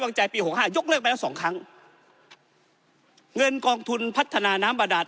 ใจปีหกห้ายกเลิกไปแล้วสองครั้งเงินกองทุนพัฒนาน้ำบาดาษ